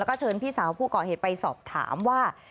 แล้วก็เชิญพี่สาวผู้ก่อเหตุไปสอบถามว่า